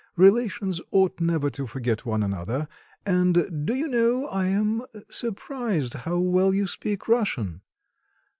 Relations ought never to forget one another. And do you know I am surprised how well you speak Russian.